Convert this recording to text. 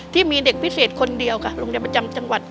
ที่มีเด็กพิเศษคนเดียวค่ะโรงเรียนประจำจังหวัด